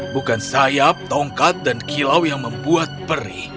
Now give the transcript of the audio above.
bukan sayap tongkat dan kilau yang membuat perih